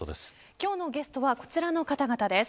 今日のゲストはこちらの方々です。